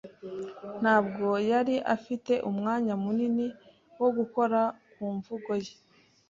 Ntabwo yari afite umwanya munini wo gukora ku mvugo ye.